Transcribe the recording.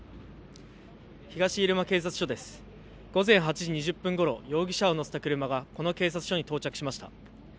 午前８時２０分ごろ、容疑者を乗せた車がこの警察署に到着しました。